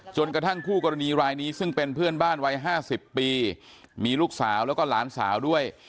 จนกระทั่งคู่กรณีรายนี้ซึ่งเป็นเพื่อนบ้านวัย๕๐ปีมีลูกสาวแล้วก็หลานสาวด้วย